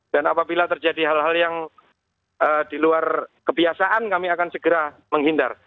dan apabila terjadi hal hal yang di luar kebiasaan kami akan segera menghindar